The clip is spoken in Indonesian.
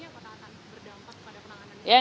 apakah akan berdampak pada penanganan ini